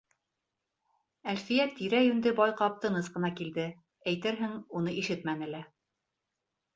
Әлфиә тирә-йүнде байҡап тыныс ҡына килде, әйтерһең, уны ишетмәне лә.